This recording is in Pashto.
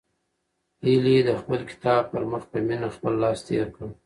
هیلې د بل کتاب پر مخ په مینه خپل لاس تېر کړ.